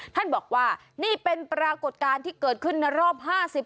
ท่านบอกว่านี่เป็นปรากฏการณ์ที่เกิดขึ้นในรอบ๕๐